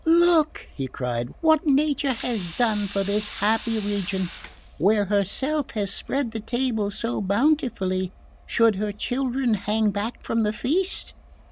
"Look," he cried, "what Nature has done for this happy region! Where herself has spread the table so bountifully, should her children hang back from the feast?